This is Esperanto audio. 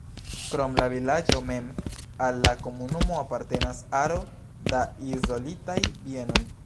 Krom la vilaĝo mem al la komunumo apartenas aro da izolitaj bienoj.